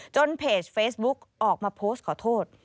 เพจเฟซบุ๊กออกมาโพสต์ขอโทษ